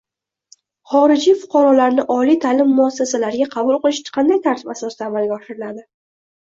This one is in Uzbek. Xorijiy fuqarolarni oliy ta’lim muassasalariga qabul qilish qanday tartib asosida amalga oshiriladi?